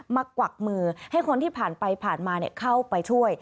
กวักมือให้คนที่ผ่านไปผ่านมาเข้าไปช่วย